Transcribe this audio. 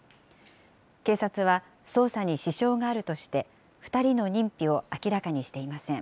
警察は捜査に支障があるとして、２人の認否を明らかにしていません。